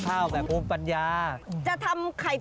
ก็ลองไปหาของกิน